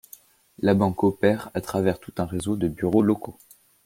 La banque opère à travers tout un réseau de bureaux locaux.